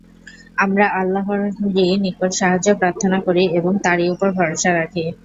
আমরা আল্লাহরই নিকট সাহায্য প্রার্থনা করি এবং তারই উপর ভরসা রাখি।